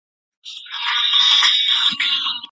نکاح بې شاهدانو نه تړل کېږي.